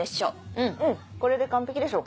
うんこれで完璧でしょう。